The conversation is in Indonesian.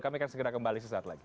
kami akan segera kembali sesaat lagi